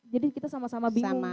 kita sama sama bingung